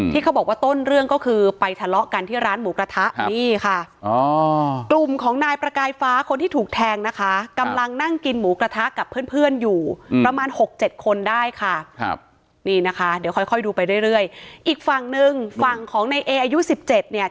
นะคะเดี๋ยวค่อยค่อยดูไปเรื่อยเรื่อยอีกฝั่งหนึ่งฝั่งของในเออายุสิบเจ็ดเนี่ย